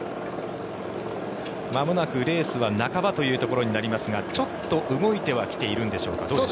まもなくレースは半ばというところになりますがちょっと動いてはきているんでしょうか。